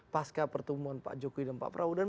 pasca pertemuan pak jokowi dan pak praudan